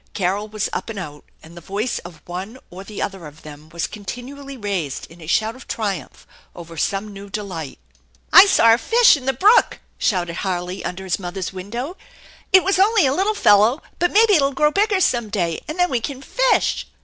Carol was up and out, and the voice of one or the other of them waa continually raised in a shout of triumph over some new delight. " I saw a fish in the brook !" shouted Harley under his mother's window. " It was only a little fellow, but maybe if 11 grow bigger some day, and then we can fish